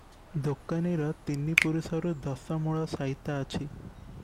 ଦୋକାନୀର ତିନି ପୁରୁଷରୁ ଦଶମୂଳ ସାଇତା ଅଛି ।